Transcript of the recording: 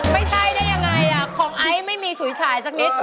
ไม่ใช่ได้ยังไงของไอซ์ไม่มีฉุยฉายสักนิด